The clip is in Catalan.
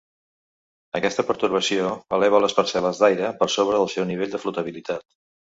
Aquesta pertorbació eleva les parcel·les d'aire per sobre del seu nivell de flotabilitat.